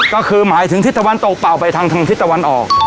ก็คือหมายถึงทิศตะวันตกเป่าไปทางทางทิศตะวันออก